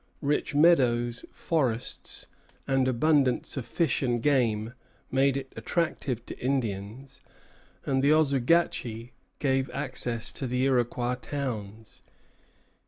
Rich meadows, forests, and abundance of fish and game, made it attractive to Indians, and the Oswegatchie gave access to the Iroquois towns.